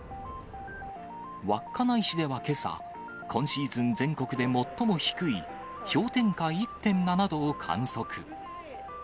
稚内市ではけさ、今シーズン全国で最も低い氷点下１．７度を観測。